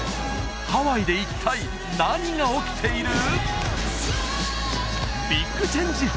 ハワイで一体何が起きている！？